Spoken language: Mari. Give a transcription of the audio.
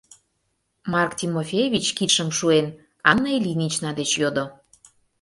— Марк Тимофеевич, кидшым шуен, Анна Ильинична деч йодо.